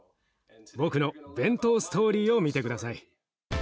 僕の弁当ストーリーを見て下さい。